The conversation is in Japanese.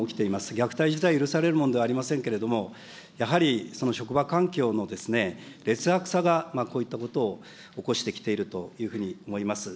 虐待自体許されるもんではありませんけれども、やはりその職場環境の劣悪さがこういったことを起こしてきているというふうに思います。